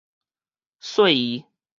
細姨